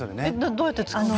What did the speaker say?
どうやって使うの？